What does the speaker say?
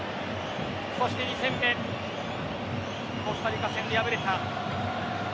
そして２戦目コスタリカ戦で敗れた。